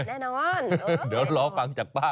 แน่นอนเดี๋ยวรอฟังจากป้า